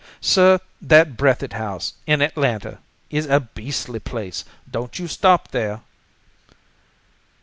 "Sir, that Breathitt House, in Atlanta, is a beastly place! Don't you stop there."